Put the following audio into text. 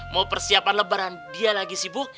mau persiapan lebaran dia lagi sibuk